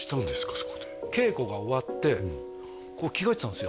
その時稽古が終わって着替えてたんです